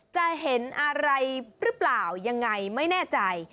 จะเห็นอะไรหรือเปล่ายังไงไม่แน่ใจ